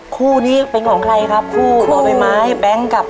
คู่นี้เป็นของใครครับคู่บ่อใบไม้แบงค์กับ